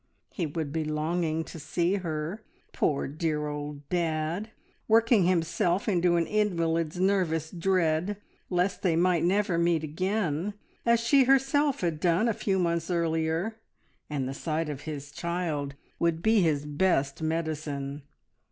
He would be longing to see her, poor dear old dad, working himself into an invalid's nervous dread lest they might never meet again, as she herself had done a few months earlier, and the sight of his child would be his best medicine.